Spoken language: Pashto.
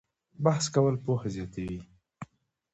بحث کول پوهه زیاتوي